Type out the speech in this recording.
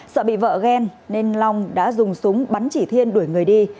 sợ bị vỡ ghen nên long đã dùng súng bắn chỉ thiên đuổi người đi